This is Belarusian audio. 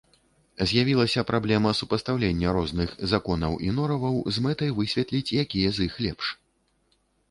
З'явілася праблема супастаўлення розных законаў і нораваў з мэтай высветліць, якія з іх лепш.